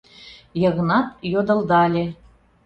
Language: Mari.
— Йыгнат йодылдале.